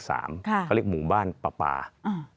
ค่ะเขาเรียกหมู่บ้านปปาอืม